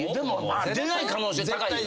出ない可能性高いよな。